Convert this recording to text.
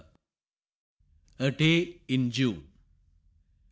_ A DAY IN JUNE.